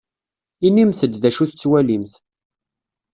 Inimt-d d acu tettwalimt.